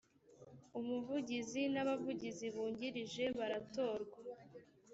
umuvugizi n’abavugizi bungirije baratorwa